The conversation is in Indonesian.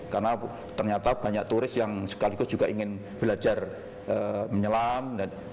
karena ternyata banyak turis yang sekaligus juga ingin belajar menyelam